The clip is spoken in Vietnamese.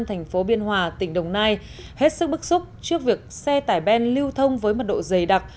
thành phố biên hòa tỉnh đồng nai hết sức bức xúc trước việc xe tải ben lưu thông với mật độ dày đặc